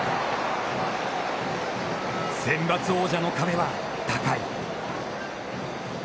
センバツ王者の壁は高い。